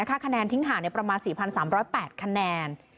คะแนนทิ้งห่างประมาณ๔๓๐๘คะแนน